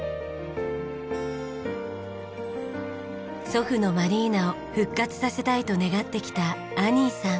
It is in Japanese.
祖父のマリーナを復活させたいと願ってきたアニーさん。